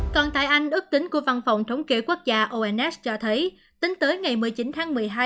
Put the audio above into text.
còn tại anh ước tính của văn phòng thống kê quốc gia ons cho thấy tính tới ngày một mươi chín tháng một mươi hai